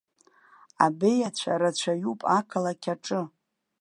Абеиацәа рацәаҩуп ақалақь аҿы.